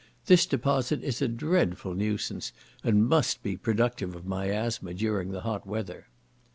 This deposit is a dreadful nuisance, and must be productive of miasma during the hot weather.